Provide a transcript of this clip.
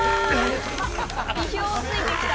「意表をついてきた」